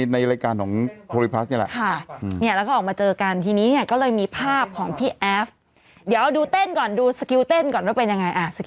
นี่ค่ะเหยื่อเสือกลับมาแล้วค่ะใช่ไหมพี่แอฟพูดแบบนี้ไปตอนเนี้ยดังมาก